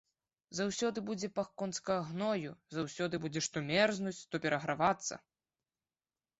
Заўсёды будзе пах конскага гною, заўсёды будзеш то мерзнуць, то перагравацца.